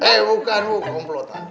eh bukan bu komplotan